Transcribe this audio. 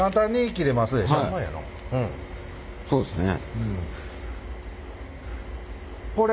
そうですね。